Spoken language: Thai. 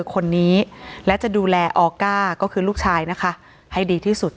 คนนี้และจะดูแลออก้าก็คือลูกชายนะคะให้ดีที่สุด